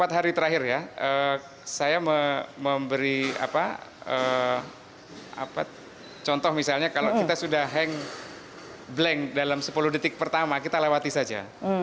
jadi empat hari terakhir ya saya memberi contoh misalnya kalau kita sudah hang blank dalam sepuluh detik pertama kita lewati saja